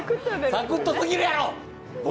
サクッとすぎるやろ！